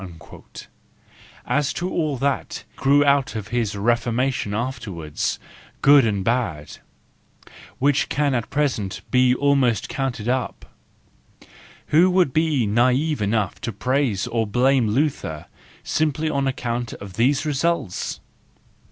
—As to all that grew out of his Reformation afterwards, good and bad, which can at present be almost counted up,— who would be naTve enough to praise or blame Luther simply on account of these results?